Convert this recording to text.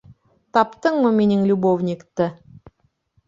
Таптыңмы минең любовникты?